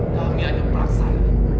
kami hanya peraksan